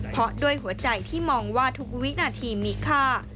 เพราะด้วยหัวใจที่มองว่าทุกวินาทีมีค่า